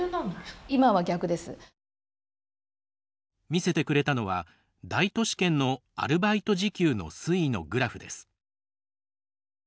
見せてくれたのは大都市圏のアルバイト時給の推移のグラフです。